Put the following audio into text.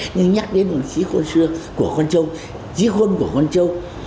nhưng nhắc đến trí khôn xưa của con trâu trí khôn của con trâu